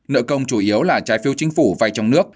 nợ công chủ yếu là trái phiếu chính phủ vay trong nước